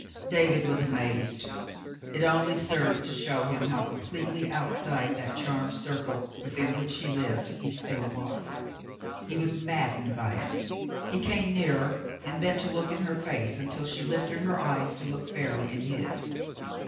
David was amazed. It only served to show him how completely outside that charmed circle within which she lived he still was. He was maddened by it. He came 128 The Mountain Girl nearer and bent to look in her face, until she lifted her eyes to look fairly in his.